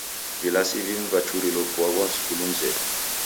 Vilasi vimu vachurilo kuaghwa skulu mzedu.